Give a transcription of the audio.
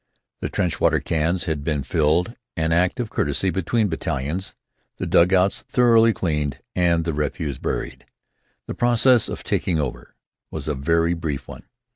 The trench water cans had been filled, an act of courtesy between battalions, the dugouts thoroughly cleaned, and the refuse buried. The process of "taking over" was a very brief one.